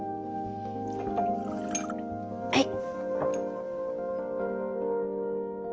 はい。